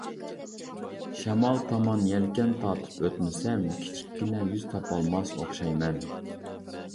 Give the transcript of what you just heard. شامال تامان يەلكەن تارتىپ ئۆتمىسەم، كىچىككىنە يۈز تاپالماس ئوخشايمەن.